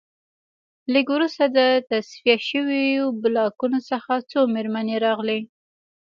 لږ وروسته د تصفیه شویو بلاکونو څخه څو مېرمنې راغلې